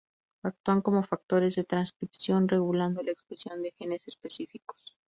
Actúan como factores de transcripción regulando la expresión de genes específicos.